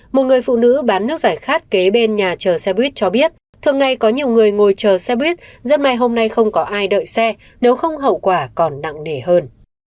một người phụ nữ bán nước giải khát kế bên nhà chờ xe buýt cho biết thường ngày có nhiều người ngồi chờ xe buýt rất may hôm nay không có ai đợi xe nếu không hậu quả còn nặng nề hơn